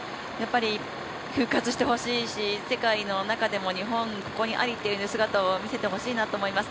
復活してほしいし世界の中でも日本、ここにありという姿を見せてほしいなと思います。